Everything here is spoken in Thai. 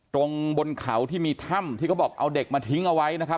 ตรงบนเขาที่มีถ้ำที่เขาบอกเอาเด็กมาทิ้งเอาไว้นะครับ